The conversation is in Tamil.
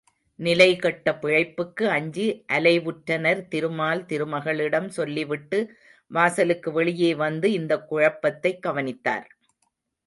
நிலை கெட்ட பிழைப்புக்கு அஞ்சி அலைவுற்றனர் திருமால் திருமகளிடம் சொல்லிவிட்டு வாசலுக்கு வெளியே வந்து இந்தக் குழப்பத்தைக் கவனித்தார்.